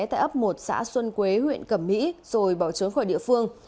tại ấp một xã xuân quế huyện cẩm mỹ rồi bỏ trốn khỏi địa phương